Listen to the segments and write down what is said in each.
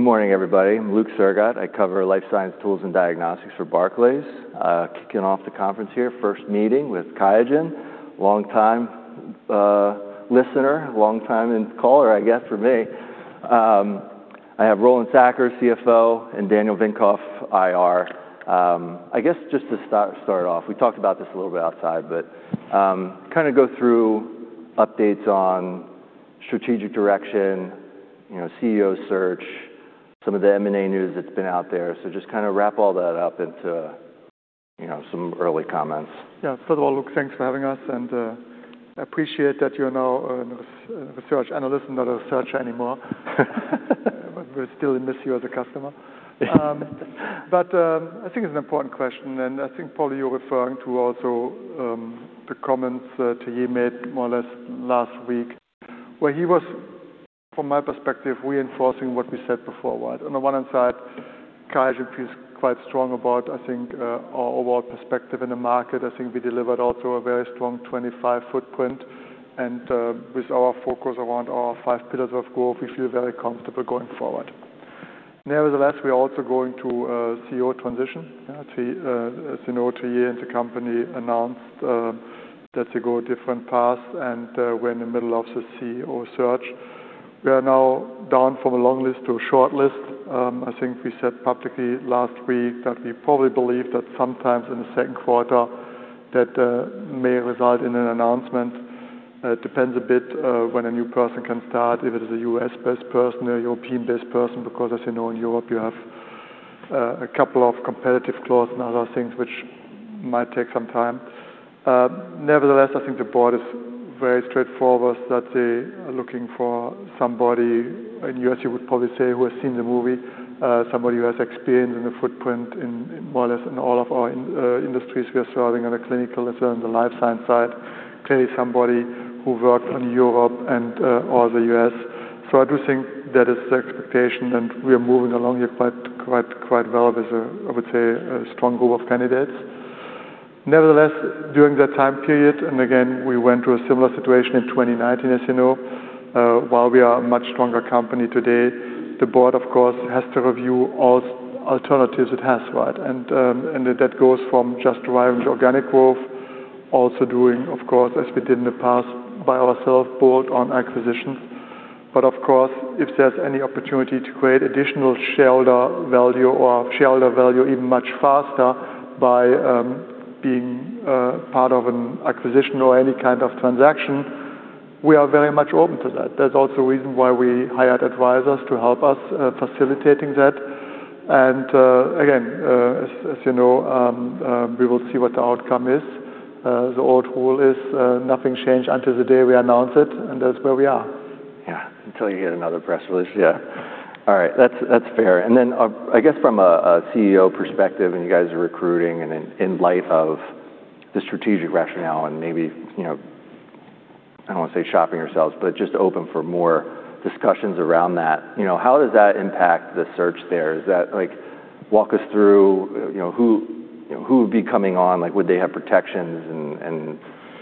Good morning, everybody. I'm Luke Sergott. I cover Life Science Tools and Diagnostics for Barclays. Kicking off the conference here, first meeting with QIAGEN. Long time listener, long time and caller, I guess, for me. I have Roland Sackers, CFO, and Daniel Wendorff, IR. I guess just to start off, we talked about this a little bit outside, but kind of go through updates on strategic direction, you know, CEO search, some of the M&A news that's been out there. Just kind of wrap all that up into, you know, some early comments. Yeah. First of all, Luke, thanks for having us, and I appreciate that you're now a research analyst and not a researcher anymore. But we still miss you as a customer. Yeah. I think it's an important question, and I think probably you're referring to also the comments Thierry made more or less last week, where he was, from my perspective, reinforcing what we said before, right? On the one hand side, QIAGEN feels quite strong about, I think, our overall perspective in the market. I think we delivered also a very strong 2025 footprint and, with our focus around our five pillars of growth, we feel very comfortable going forward. Nevertheless, we are also going through a CEO transition. You know, Thierry, as you know, Thierry and the company announced that they go different paths and, we're in the middle of the CEO search. We are now down from a long list to a short list. I think we said publicly last week that we probably believe that sometime in the second quarter may result in an announcement. It depends a bit when a new person can start, if it is a U.S.-based person, a European-based person, because as you know, in Europe you have a couple of non-compete clauses and other things which might take some time. Nevertheless, I think the board is very straightforward that they are looking for somebody, in U.S. you would probably say who has seen the movie, somebody who has experience in the footprint in more or less in all of our industries we are serving on the clinical as well as the Life Science side. Clearly somebody who worked in Europe and or the U.S. I do think that is the expectation and we are moving along here quite well with, I would say, a strong group of candidates. Nevertheless, during that time period, and again, we went through a similar situation in 2019, as you know, while we are a much stronger company today, the board of course has to review all alternatives it has, right? That goes from just driving organic growth, also doing of course as we did in the past by ourselves board on acquisitions. Of course, if there's any opportunity to create additional shareholder value or shareholder value even much faster by being part of an acquisition or any kind of transaction, we are very much open to that. That's also a reason why we hired advisors to help us facilitating that. Again, as you know, we will see what the outcome is. The old rule is, nothing change until the day we announce it, and that's where we are. Yeah. Until you get another press release. Yeah. All right. That's fair. I guess from a CEO perspective and you guys are recruiting and in light of the strategic rationale and maybe, you know, I don't want to say shopping yourselves, but just open for more discussions around that. You know, how does that impact the search there? Is that like. Walk us through, you know, who, you know, who would be coming on? Like, would they have protections and.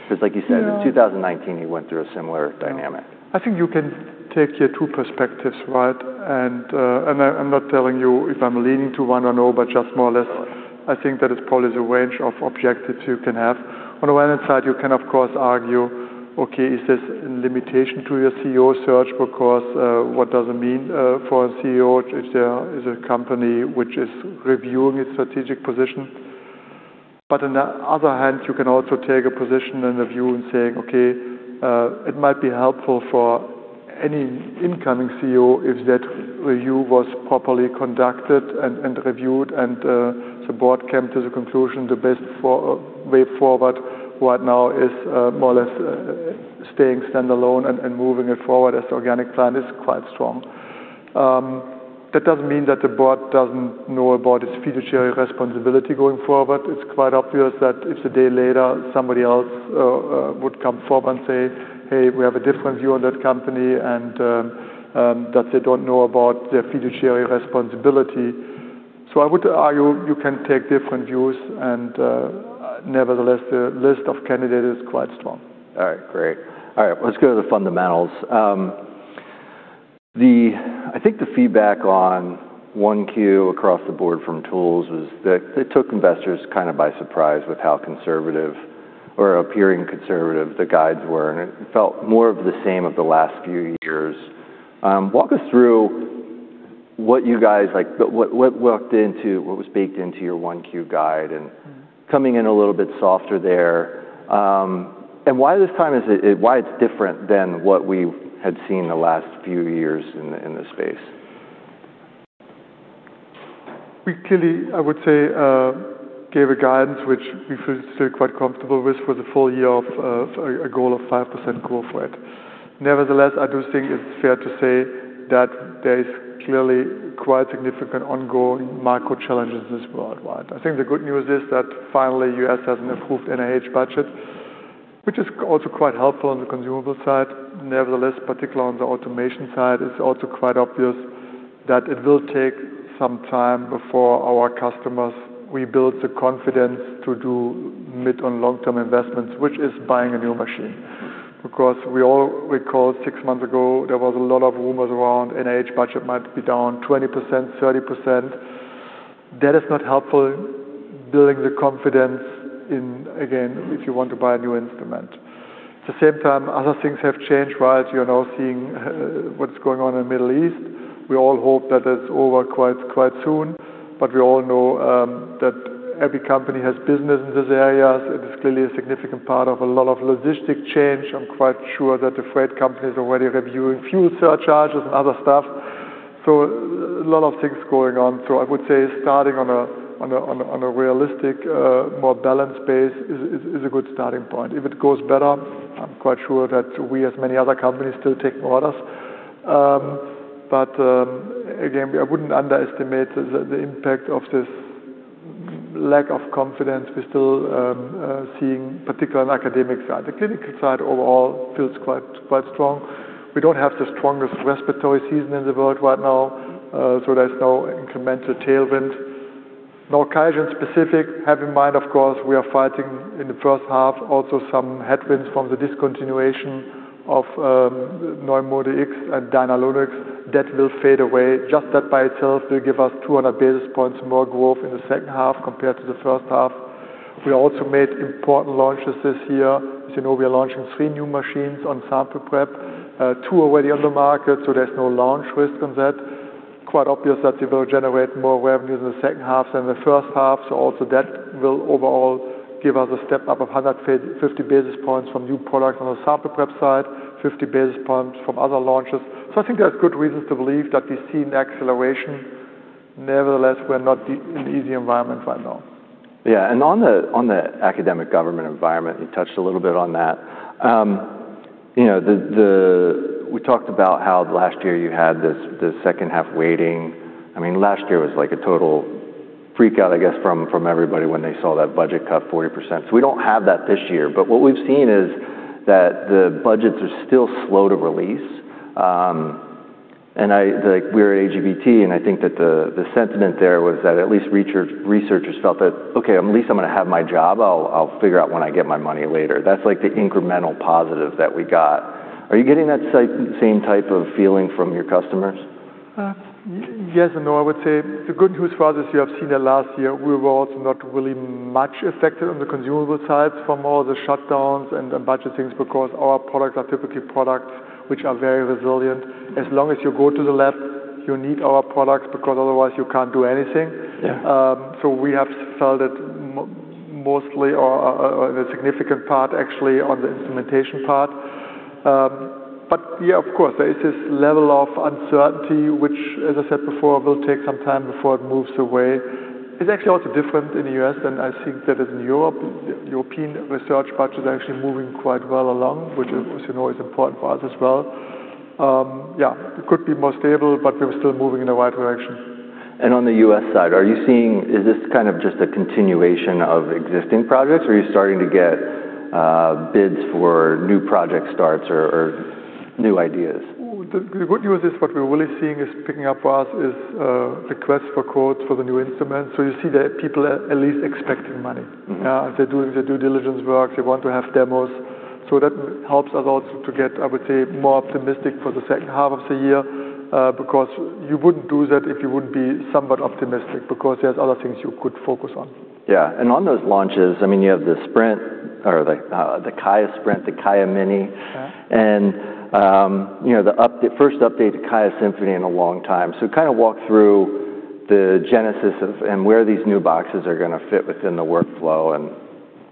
'Cause like you said in 2019 you went through a similar dynamic. No. I think you can take your two perspectives, right? I'm not telling you if I'm leaning to one or no, but just more or less I think that it's probably the range of objectives you can have. On the one hand side you can of course argue, okay, is this a limitation to your CEO search? What does it mean, for a CEO if there is a company which is reviewing its strategic position? On the other hand, you can also take a position and a view in saying, "Okay, it might be helpful for any incoming CEO if that review was properly conducted and reviewed and the board came to the conclusion the best way forward right now is, more or less, staying standalone and moving it forward as the organic plan is quite strong. That doesn't mean that the board doesn't know about its fiduciary responsibility going forward. It's quite obvious that if one day later somebody else would come forward and say, "Hey, we have a different view on that company," and that they don't know about their fiduciary responsibility. I would argue you can take different views and nevertheless the list of candidates is quite strong. All right. Great. All right. Let's go to the fundamentals. I think the feedback on 1Q across the board from tools was that it took investors kind of by surprise with how conservative or appearing conservative the guides were and it felt more of the same of the last few years. Walk us through what was baked into your 1Q guide and coming in a little bit softer there. Why this time it's different than what we had seen the last few years in this space? We clearly, I would say, gave a guidance which we feel still quite comfortable with for the full year of a goal of 5% growth rate. Nevertheless, I do think it's fair to say that there is clearly quite significant ongoing macro challenges worldwide. I think the good news is that finally the U.S. has an approved NIH budget which is also quite helpful on the consumable side. Nevertheless, particularly on the automation side, it's also quite obvious that it will take some time before our customers rebuild the confidence to do mid and long-term investments, which is buying a new machine. Because we all recall six months ago, there was a lot of rumors around NIH budget might be down 20%, 30%. That is not helpful building the confidence in, again, if you want to buy a new instrument. At the same time, other things have changed, right? You're now seeing what's going on in the Middle East. We all hope that it's over quite soon, but we all know that every company has business in this area. It is clearly a significant part of a lot of logistic change. I'm quite sure that the freight companies are already reviewing fuel surcharges and other stuff. A lot of things going on. I would say starting on a realistic, more balanced base is a good starting point. If it goes better, I'm quite sure that we, as many other companies, still take more orders. But again, I wouldn't underestimate the impact of this lack of confidence. We're still seeing particularly on academic side. The clinical side overall feels quite strong. We don't have the strongest respiratory season in the world right now, so there's no incremental tailwind. Now, QIAGEN specific, have in mind, of course, we are fighting in the first half also some headwinds from the discontinuation of, NeuMoDx and DIALUNOX. That will fade away. Just that by itself will give us 200 basis points more growth in the second half compared to the first half. We also made important launches this year. As you know, we are launching threw new machines on sample prep. Two already on the market, so there's no launch risk on that. Quite obvious that they will generate more revenues in the second half than the first half. Also that will overall give us a step up of 150 basis points from new products on the sample prep side, 50 basis points from other launches. I think there's good reasons to believe that we see an acceleration. Nevertheless, we're not in easy environment right now. Yeah. On the academic government environment, you touched a little bit on that. You know, we talked about how last year you had this second half weighting. I mean, last year was like a total freakout, I guess, from everybody when they saw that budget cut 40%. We don't have that this year. What we've seen is that the budgets are still slow to release. Like we're at AGBT, and I think that the sentiment there was that at least researchers felt that, "Okay, at least I'm gonna have my job. I'll figure out when I get my money later." That's like the incremental positive that we got. Are you getting that same type of feeling from your customers? Yes and no. I would say the good news for us is you have seen that last year we were also not really much affected on the consumable side from all the shutdowns and the budget things because our products are typically products which are very resilient. As long as you go to the lab, you need our products because otherwise you can't do anything. Yeah. We have felt it mostly or the significant part actually on the instrumentation part. Of course, there is this level of uncertainty, which as I said before, will take some time before it moves away. It's actually also different in the U.S. than I think that is in Europe. European research budgets are actually moving quite well along, which as you know, is important for us as well. It could be more stable, but we're still moving in the right direction. On the U.S. side, are you seeing? Is this kind of just a continuation of existing projects, or are you starting to get bids for new project starts or new ideas? The good news is what we're really seeing is picking up for us is requests for quotes for the new instruments. You see that people are at least expecting money. They're doing their due diligence work. They want to have demos. That helps us also to get, I would say, more optimistic for the second half of the year, because you wouldn't do that if you wouldn't be somewhat optimistic because there's other things you could focus on. On those launches, I mean, you have the QIAsprint or the QIAsprint, the QIAmini. Yeah. You know, the first update to QIAsymphony in a long time. Kind of walk through the genesis of and where these new boxes are gonna fit within the workflow and.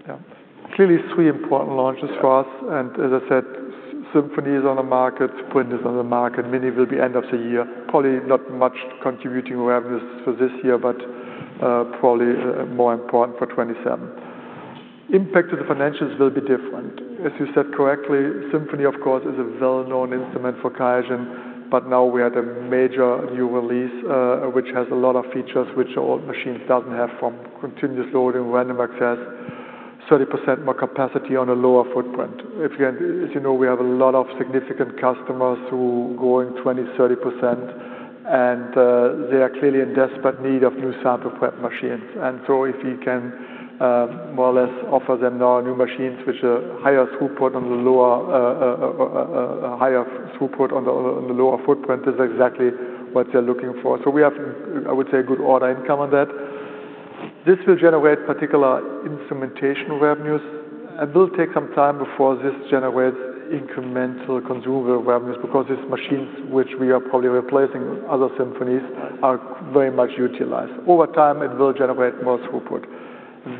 Yeah. Clearly three important launches for us. Yeah. As I said, QIAsymphony is on the market, QIAsprint is on the market, QIAmini will be end of the year. Probably not much contributing revenues for this year, but, probably more important for 2027. Impact to the financials will be different. As you said correctly, QIAsymphony, of course, is a well-known instrument for QIAGEN, but now we have a major new release, which has a lot of features which old machines doesn't have, from continuous loading, random access, 30% more capacity on a lower footprint. As you know, we have a lot of significant customers who growing 20%, 30%, and they are clearly in desperate need of new sample prep machines. If you can more or less offer them now new machines which are higher throughput on the lower footprint, is exactly what they're looking for. We have, I would say, good order intake on that. This will generate particular instrumentation revenues. It will take some time before this generates incremental consumable revenues because these machines, which we are probably replacing other Symphonies, are very much utilized. Over time, it will generate more throughput.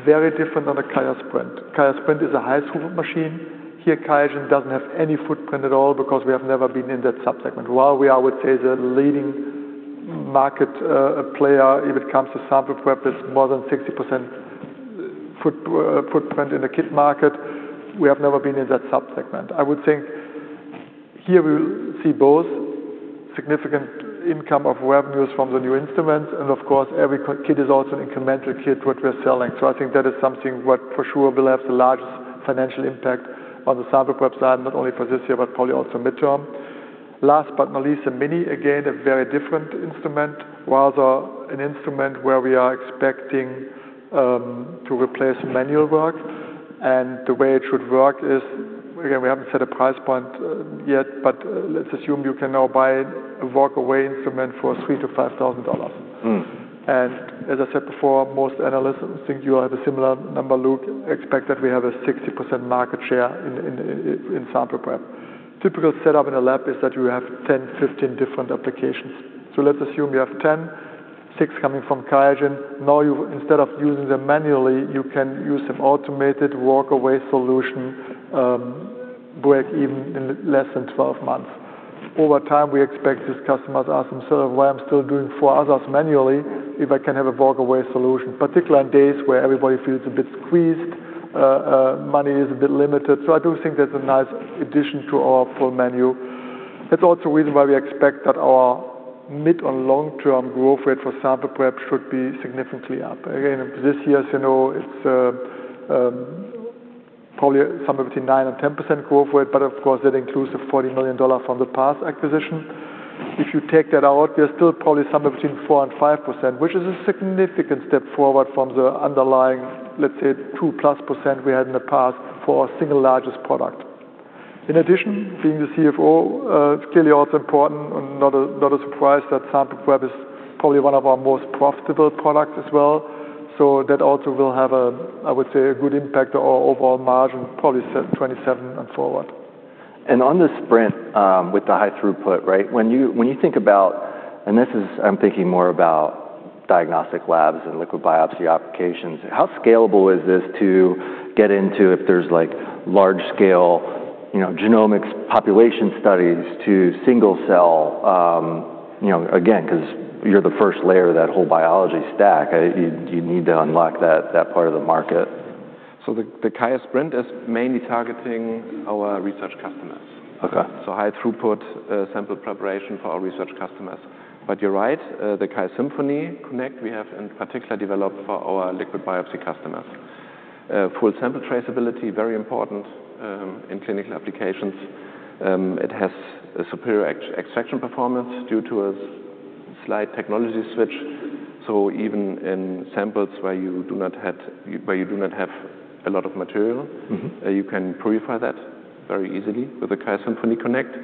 Very different on the QIAsprint. QIAsprint is a high throughput machine. Here, QIAGEN doesn't have any footprint at all because we have never been in that sub-segment. While we are, I would say, the leading market player if it comes to sample prep, it's more than 60% footprint in the kit market, we have never been in that sub-segment. I would think here we will see both significant inflow of revenues from the new instruments and of course every kit is also an incremental kit what we're selling. I think that is something what for sure will have the largest financial impact on the sample prep side, not only for this year, but probably also midterm. Last but not least, the QIAmini, again, a very different instrument. Rather an instrument where we are expecting to replace manual work. The way it should work is, again, we haven't set a price point yet, but let's assume you can now buy a walk-away instrument for $3,000-$5,000. As I said before, most analysts think you have a similar number, Luke, except that we have a 60% market share in sample prep. Typical setup in a lab is that you have 10–15 different applications. Let's assume you have 10, six coming from QIAGEN. Now, instead of using them manually, you can use an automated walk-away solution, break even in less than 12 months. Over time, we expect these customers ask themselves, "Why I'm still doing four others manually if I can have a walk-away solution?" Particularly on days where everybody feels a bit squeezed, money is a bit limited. I do think that's a nice addition to our full menu. That's also a reason why we expect that our mid or long-term growth rate for sample prep should be significantly up. Again, this year, as you know, it's probably somewhere between 9% and 10% growth rate, but of course, that includes the $40 million from the Parse acquisition. If you take that out, we are still probably somewhere between 4% and 5%, which is a significant step forward from the underlying, let's say, 2%+ we had in the past for our single largest product. In addition, being the CFO, it's clearly also important, and not a surprise, that sample prep is probably one of our most profitable products as well. So that also will have a, I would say, a good impact on our overall margin, probably 27% and forward. On the QIAsprint, with the high throughput, right? When you think about, I'm thinking more about diagnostic labs and liquid biopsy applications. How scalable is this to get into if there's like large scale, you know, genomics population studies to single-cell, you know, again, 'cause you're the first layer of that whole biology stack. Do you need to unlock that part of the market? The QIAsprint is mainly targeting our research customers. Okay. High throughput sample preparation for our research customers. You're right, the QIAsymphony Connect we have in particular developed for our liquid biopsy customers. Full sample traceability, very important, in clinical applications. It has a superior extraction performance due to a slight technology switch. Even in samples where you do not have a lot of material. You can purify that very easily with the QIAsymphony Connect.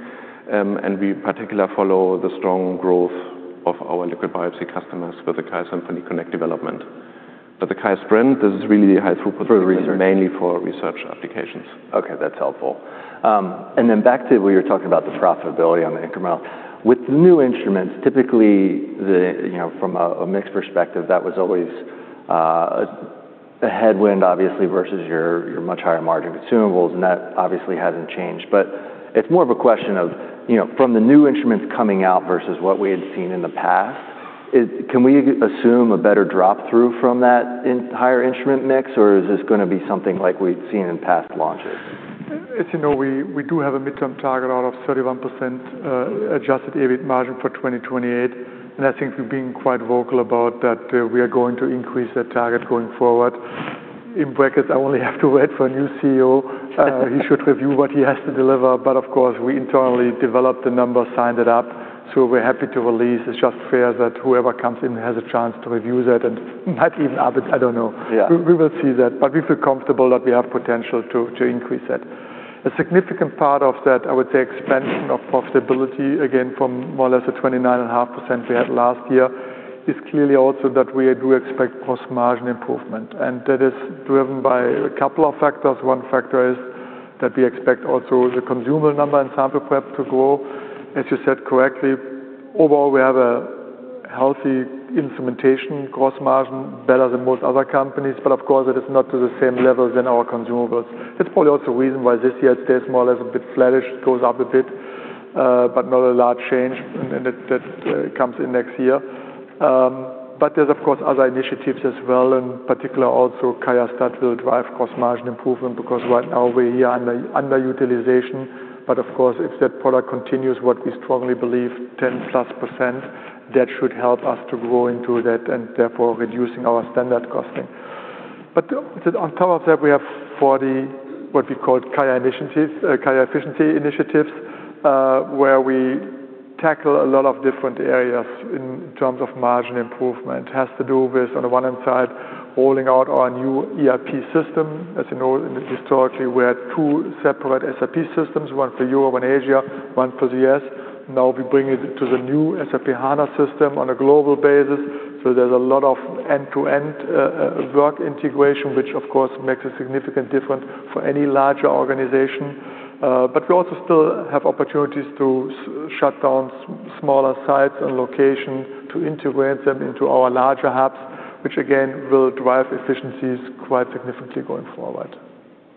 We particularly follow the strong growth of our liquid biopsy customers for the QIAsymphony Connect development. The QIAsprint, this is really high throughput mainly for research applications. Okay, that's helpful. Then back to where you were talking about the profitability on the incremental. With new instruments, typically you know from a mix perspective, that was always a headwind obviously versus your much higher margin consumables, and that obviously hasn't changed. It's more of a question of, you know, from the new instruments coming out versus what we had seen in the past, is can we assume a better drop through from that in higher instrument mix, or is this gonna be something like we'd seen in past launches? As you know, we do have a midterm target of 31% adjusted EBIT margin for 2028, and I think we're being quite vocal about that, we are going to increase that target going forward. In brackets, I only have to wait for a new CEO. He should review what he has to deliver, but of course, we internally developed the numbers, signed it up, so we're happy to release. It's just fair that whoever comes in has a chance to review that and might even up it. I don't know. Yeah. We will see that, but we feel comfortable that we have potential to increase it. A significant part of that, I would say, expansion of profitability, again, from more or less the 29.5% we had last year, is clearly also that we do expect gross margin improvement. That is driven by a couple of factors. One factor is that we expect also the consumable number and sample prep to grow. As you said correctly, overall, we have a healthy instrumentation gross margin, better than most other companies, but of course, it is not to the same level than our consumables. That's probably also the reason why this year it stays more or less a bit flattish, goes up a bit, but not a large change, and that comes in next year. There's of course other initiatives as well, in particular also QIAstat will drive cost margin improvement because right now we're here underutilization. Of course, if that product continues what we strongly believe, 10%+, that should help us to grow into that and therefore reducing our standard costing. On top of that, we have 40, what we call QIA initiatives, QIA efficiency initiatives, where we tackle a lot of different areas in terms of margin improvement. It has to do with, on the one hand side, rolling out our new ERP system. As you know, historically, we had two separate SAP systems, one for Europe and Asia, one for the U.S. Now we bring it to the new S/4HANA system on a global basis, so there's a lot of end-to-end work integration, which of course makes a significant difference for any larger organization. We also still have opportunities to shut down smaller sites and locations to integrate them into our larger hubs, which again, will drive efficiencies quite significantly going forward.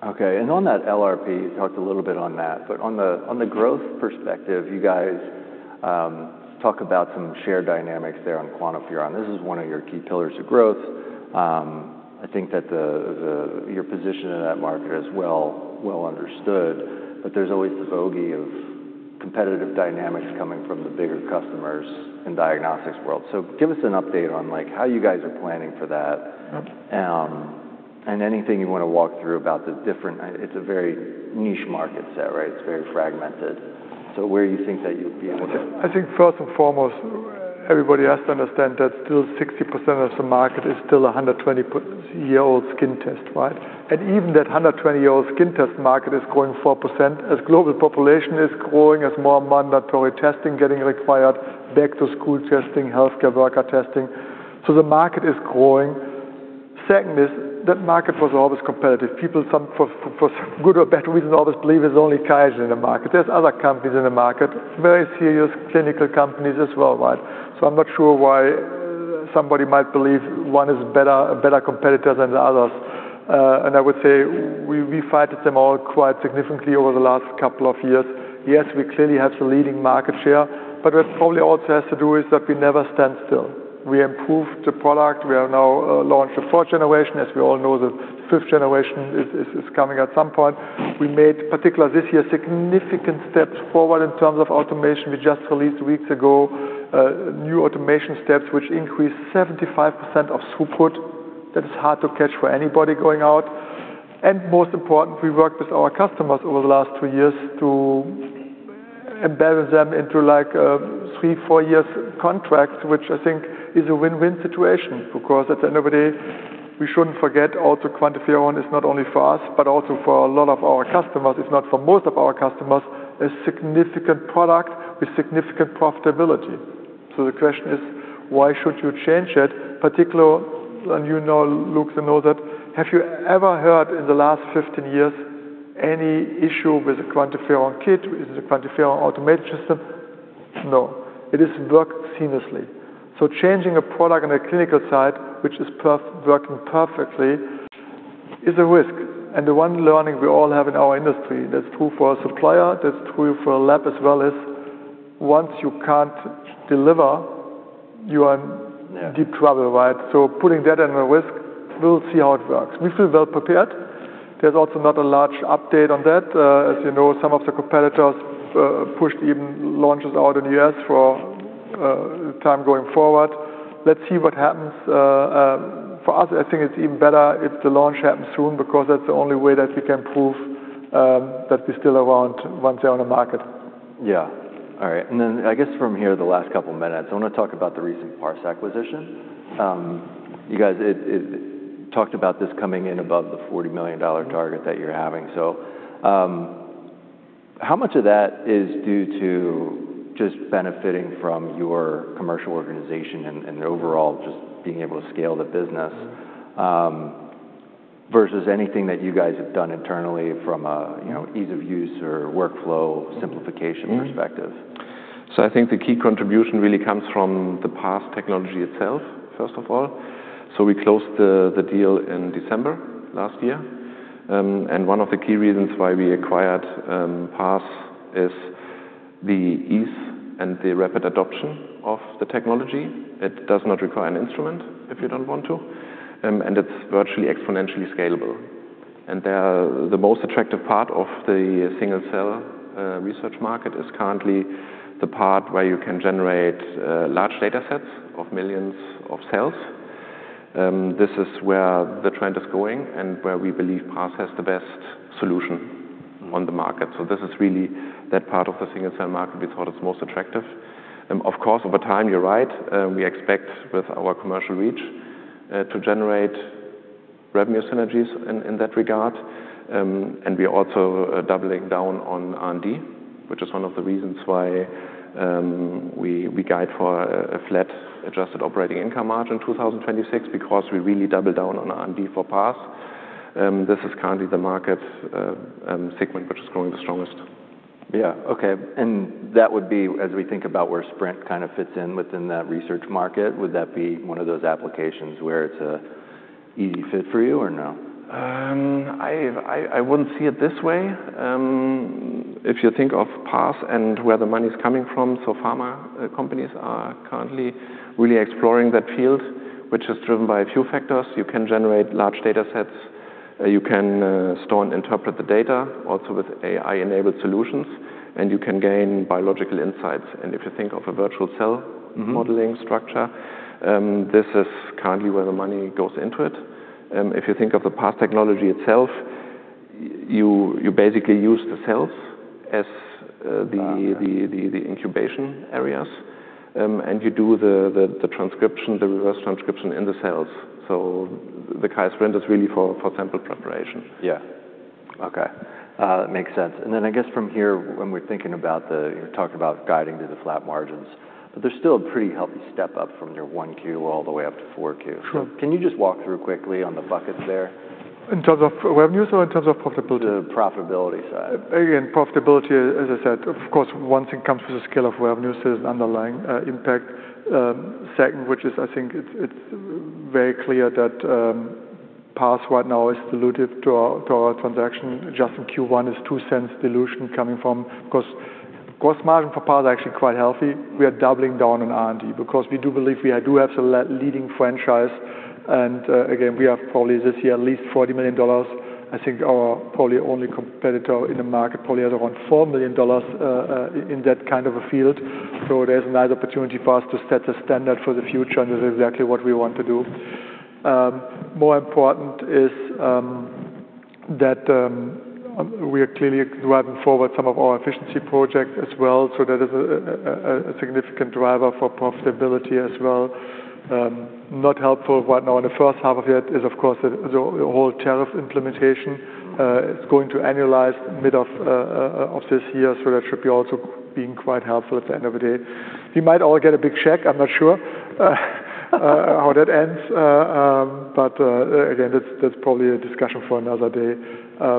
Okay. On that LRP, you talked a little bit on that, but on the growth perspective, you guys talk about some shared dynamics there on QuantiFERON. This is one of your key pillars of growth. I think that your position in that market is well understood, but there's always the bogey of competitive dynamics. The bigger customers in diagnostics world. Give us an update on, like, how you guys are planning for that. Okay. Anything you wanna walk through. It's a very niche market set, right? It's very fragmented. Where you think that you'll be able to? Okay. I think first and foremost, everybody has to understand that still 60% of the market is still a 120-year-old skin test, right? Even that 120-year-old skin test market is growing 4% as global population is growing, as more mandatory testing getting required, back-to-school testing, healthcare worker testing. The market is growing. Second is that market was always competitive. People, for good or better reason, always believe there's only QIAGEN in the market. There's other companies in the market, very serious clinical companies as well, right? I'm not sure why somebody might believe one is better, a better competitor than the others. I would say we've fought them all quite significantly over the last couple of years. Yes, we clearly have the leading market share, but what probably also has to do is that we never stand still. We improve the product. We have now launched the fourth generation. As we all know, the fifth generation is coming at some point. We made, particularly this year, significant steps forward in terms of automation. We just released weeks ago new automation steps which increased 75% of throughput. That is hard to catch for anybody going out. Most important, we worked with our customers over the last two years to embed them into, like, three, four years contracts, which I think is a win-win situation because at the end of the day, we shouldn't forget also QuantiFERON is not only for us, but also for a lot of our customers. If not for most of our customers, a significant product with significant profitability. The question is, why should you change it? You know, Luke, you know that. Have you ever heard in the last 15 years any issue with the QuantiFERON kit, with the QuantiFERON automated system? No. It has worked seamlessly. Changing a product on a clinical side, which is working perfectly, is a risk. The one learning we all have in our industry, that's true for a supplier, that's true for a lab as well, is once you can't deliver, you are in deep trouble, right? Putting that as a risk, we'll see how it works. We feel well prepared. There's also not a large update on that. As you know, some of the competitors pushed their launches out in the U.S, for some time going forward. Let's see what happens. For us, I think it's even better if the launch happens soon because that's the only way that we can prove that we're still around once they're on the market. Yeah. All right. I guess from here, the last couple minutes, I wanna talk about the recent Parse acquisition. You guys, it talked about this coming in above the $40 million target that you're having. How much of that is due to just benefiting from your commercial organization and overall just being able to scale the business, versus anything that you guys have done internally from a, you know, ease of use or workflow simplification perspective? I think the key contribution really comes from the Parse technology itself, first of all. We closed the deal in December last year. One of the key reasons why we acquired Parse is the ease and the rapid adoption of the technology. It does not require an instrument if you don't want to, and it's virtually exponentially scalable. The most attractive part of the single-cell research market is currently the part where you can generate large datasets of millions of cells. This is where the trend is going and where we believe Parse has the best solution on the market. This is really that part of the single-cell market we thought is most attractive. Of course, over time, you're right, we expect with our commercial reach to generate revenue synergies in that regard. We're also doubling down on R&D, which is one of the reasons why we guide for a flat adjusted operating income margin in 2026 because we really double down on R&D for Parse. This is currently the market segment which is growing the strongest. Yeah. Okay. That would be, as we think about where QIAsprint kind of fits in within that research market, would that be one of those applications where it's an easy fit for you or no? I wouldn't see it this way. If you think of Parse and where the money's coming from, so pharma companies are currently really exploring that field, which is driven by a few factors. You can generate large datasets. You can store and interpret the data also with AI-enabled solutions, and you can gain biological insights. If you think of a virtual cell modeling structure, this is currently where the money goes into it. If you think of the Parse technology itself, you basically use the cells as in the incubation areas, and you do the reverse transcription in the cells. The QIAsprint is really for sample preparation. Yeah. Okay. That makes sense. I guess from here, when we're thinking about, you talked about guiding to the flat margins, but there's still a pretty healthy step up from your 1Q all the way up to 4Q. Can you just walk through quickly on the buckets there? In terms of revenues or in terms of profitability? The profitability side. Again, profitability, as I said, of course, one thing comes with the scale of revenues is underlying impact. Second, which is I think it's very clear that, Parse right now is diluted to our transaction. Just in Q1 is $0.02 dilution coming from. Because, of course, margin for Parse is actually quite healthy. We are doubling down on R&D because we do believe we do have the leading franchise and again, we have probably this year at least $40 million. I think our probably only competitor in the market probably has around $4 million in that kind of a field. So there's a nice opportunity for us to set the standard for the future, and this is exactly what we want to do. More important is that we are clearly driving forward some of our efficiency projects as well. That is a significant driver for profitability as well. Not helpful right now in the first half of it is, of course, the whole tariff implementation. It's going to annualize mid of this year, so that should be also being quite helpful at the end of the day. We might all get a big check, I'm not sure how that ends. Again, that's probably a discussion for another day.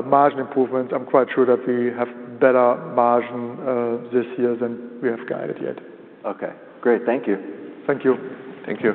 Margin improvement, I'm quite sure that we have better margin this year than we have guided yet. Okay, great. Thank you. Thank you. Thank you.